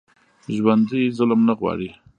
ژوندي ظلم نه غواړي